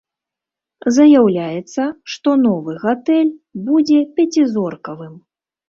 Заяўляецца, што новы гатэль будзе пяцізоркавым.